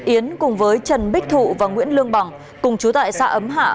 yến cùng với trần bích thụ và nguyễn lương bằng cùng chú tại xã ấm hạ